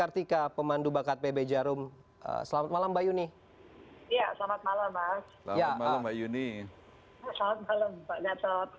selamat malam mbak gatot